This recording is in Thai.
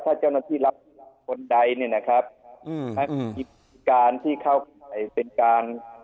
ถ้าเจ้านักษีรับคนใดเนี่ยนะครับอืมอืมที่การที่เข้าใจเป็นการ